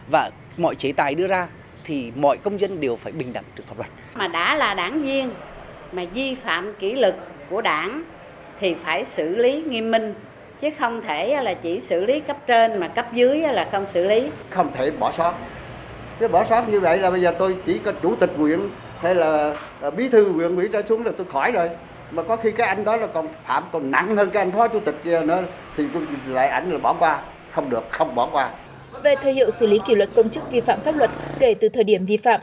về thời hiệu xử lý kỷ luật công chức vi phạm pháp luật kể từ thời điểm vi phạm